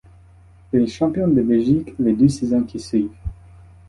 Il est champion de Belgique les deux saisons qui suivent.